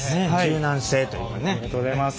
ありがとうございます。